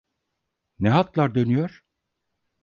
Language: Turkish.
Ne haltlar dönüyor?